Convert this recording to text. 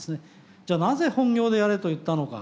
じゃあなぜ本業でやれと言ったのか。